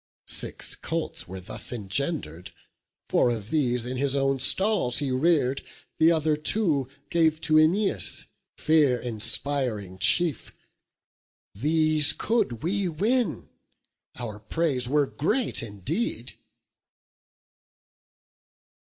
Six colts were thus engender'd: four of these In his own stalls he rear'd; the other two Gave to Æneas, fear inspiring chief: These could we win, our praise were great indeed."